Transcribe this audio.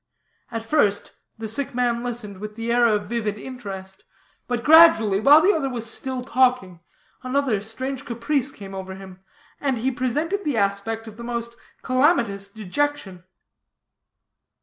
At first the sick man listened, with the air of vivid interest, but gradually, while the other was still talking, another strange caprice came over him, and he presented the aspect of the most calamitous dejection.